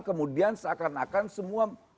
kemudian seakan akan semua